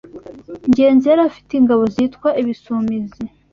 ngenzi yari afite ingabo zitwa “Ibisumizi”